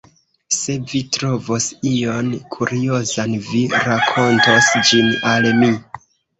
Se vi trovos ion kuriozan, vi rakontos ĝin al mi.